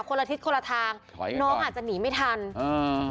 ละทิศคนละทางถอยน้องอาจจะหนีไม่ทันอ่า